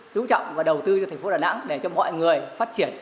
chú trọng và đầu tư cho thành phố đà nẵng để cho mọi người phát triển